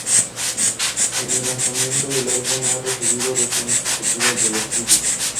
Desde su lanzamiento, el álbum ha recibido reseñas positivas de los críticos.